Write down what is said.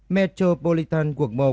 metropolitan quận một